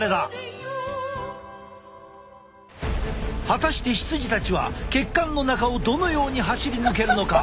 果たして羊たちは血管の中をどのように走り抜けるのか？